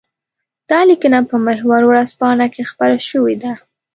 دا ليکنه په محور ورځپاڼه کې خپره شوې ده.